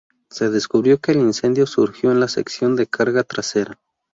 Se descubrió que el incendio surgió en la sección de carga trasera.